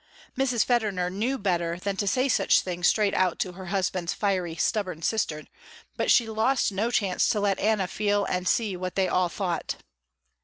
Mrs. Federner knew better than to say such things straight out to her husband's fiery, stubborn sister, but she lost no chance to let Anna feel and see what they all thought.